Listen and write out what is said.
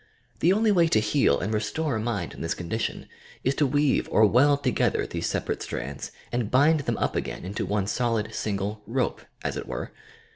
The only way to heal and restore a mind in this condition is to weave or weld together these separate strands and bind them up again into one solid single "rope," as it were.